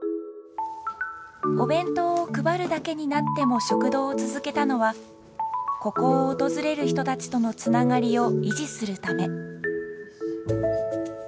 お弁当を配るだけになっても食堂を続けたのはここを訪れる人たちとのつながりを維持するため。